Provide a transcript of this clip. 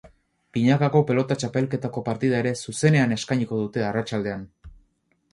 Binakako pelota txapelketako partida ere zuzenean eskainiko dute arratsaldean.